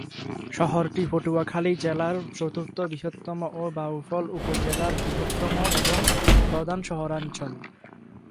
শহরটি পটুয়াখালী জেলার চতুর্থ বৃহত্তম ও বাউফল উপজেলার বৃহত্তম এবং প্রধান শহরাঞ্চল।